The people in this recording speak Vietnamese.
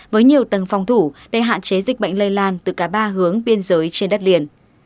với nhiều tầng phòng thủ để hạn chế dịch bệnh lây lan từ cả ba hướng biên giới trên đất liền